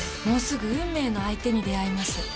もうすぐ運命の相手に出会えます。